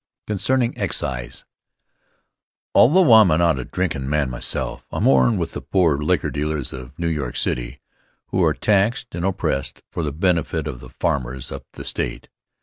Concerning Excise ALTHOUGH I'm not a drinkin' man myself, I mourn with the poor liquor dealers of New York City, who are taxed and oppressed for the benefit of the farmers up the state.